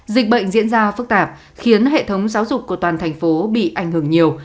dịch bệnh diễn ra phức tạp khiến hệ thống giáo dục của toàn thành phố bị ảnh hưởng nhiều